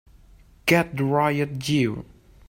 Get the riot gear!